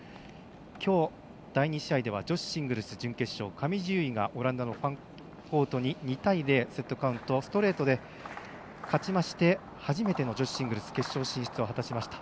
きょう第２試合は女子シングルス準決勝上地結衣がオランダのファンコートに２対０、セットカウントストレートで勝ちまして初めての女子シングルス決勝進出を果たしました。